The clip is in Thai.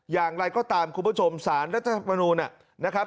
อย่างไรก็ตามคุณผู้ชมสารรัฐธรรมนูลนะครับ